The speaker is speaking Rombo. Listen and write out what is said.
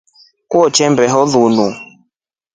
Kutembeho linu.